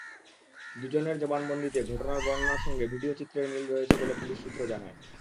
দুজনের জবানবন্দিতে ঘটনার বর্ণনার সঙ্গে ভিডিওচিত্রের মিল রয়েছে বলে পুলিশ সূত্র জানায়।